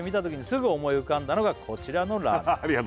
「すぐ思い浮かんだのがこちらのラーメンです」